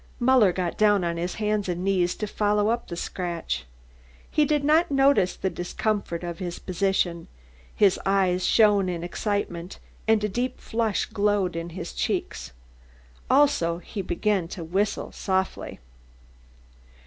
Muller got down on his hands and knees to follow up the scratch. He did not notice the discomfort of his position, his eyes shone in excitement and a deep flush glowed in his cheeks. Also, he began to whistle softly.